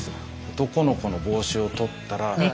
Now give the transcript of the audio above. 男の子の帽子を取ったら。